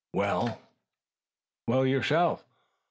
Well?" "Well, yourself!"